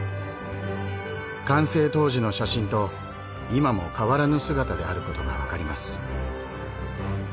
完成当時の写真と今も変わらぬ姿であることがわかります。